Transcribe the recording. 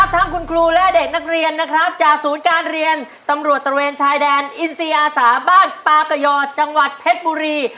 ตำรวจตะเวียนตำรวจตะเวียนชายแดนอินทรียาศาสตร์บ้านปากยอดจังหวัดเพชรบุรี